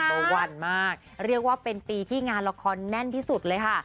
ตะวันมากเรียกว่าเป็นปีที่งานละครแน่นที่สุดเลยค่ะ